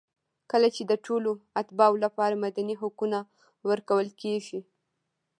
کله چې د ټولو اتباعو لپاره مدني حقونه ورکول کېږي.